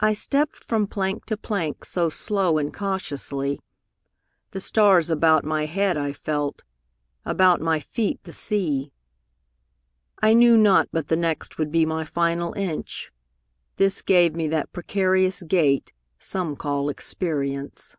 I stepped from plank to plank So slow and cautiously; The stars about my head I felt, About my feet the sea. I knew not but the next Would be my final inch, This gave me that precarious gait Some call experience.